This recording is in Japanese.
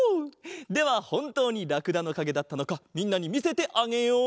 ではほんとうにラクダのかげだったのかみんなにみせてあげよう。